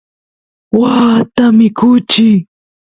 waata mikuchiy